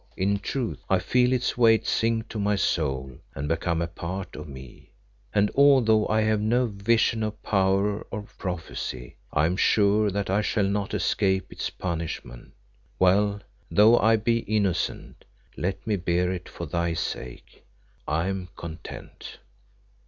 In truth, I feel its weight sink to my soul and become a part of me, and although I have no vision or power of prophecy, I am sure that I shall not escape its punishment. Well, though I be innocent, let me bear it for thy sake. I am content."